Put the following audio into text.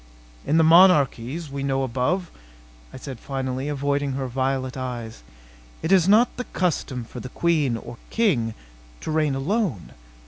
"In the monarchies we know above," I said finally, avoiding her violet eyes, "it is not the custom for the queen or king to reign alone.